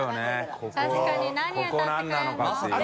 確かに何歌ってくれるの？